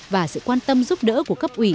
và sự quan tâm giúp đỡ của cấp ủy